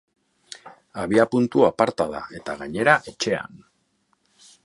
Abiapuntu aparta da, eta gainera etxean!